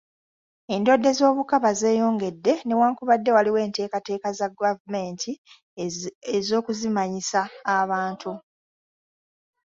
Endwadde z'obukaba zeeyongedde newankubadde waliwo enteekateeka za gavumenti ez'okuzimanyisa abantu.